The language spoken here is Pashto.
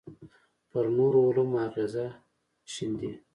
پر نورو علومو اغېز ښنده.